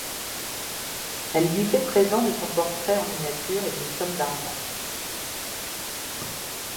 Elle lui fait présent de son portrait en miniature et d'une somme d'argent.